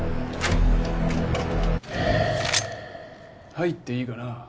入っていいかな？